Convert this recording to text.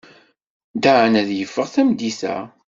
Dan ad yeffeɣ tameddit-a.